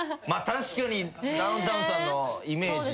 確かにダウンタウンさんのイメージ。